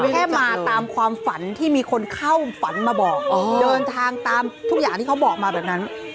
แค่มาตามความฝันที่มีคนเข้าฝันมาบอกเดินทางตามทุกอย่างที่เขาบอกมาแบบนั้น